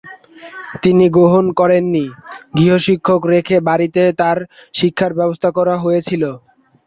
তিনি গ্রহণ করেননি; গৃহশিক্ষক রেখে বাড়িতেই তার শিক্ষার ব্যবস্থা করা হয়েছিল।